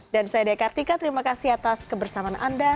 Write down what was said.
dan saya dekartika terima kasih atas kebersamaan anda